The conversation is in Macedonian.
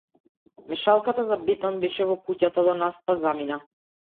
Мешалката за бетон беше во куќата до нас, па замина.